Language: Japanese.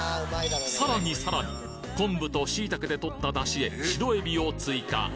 さらにさらに昆布としいたけでとったダシへ白えびを追加